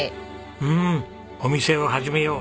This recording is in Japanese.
うんお店を始めよう。